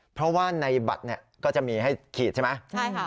เพราะว่าในบัตรก็จะมีให้ขีดใช่ไหม